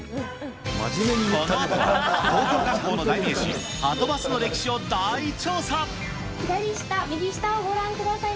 このあとは東京観光の代名詞、左下、右下をご覧ください